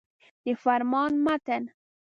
د فرمان متن.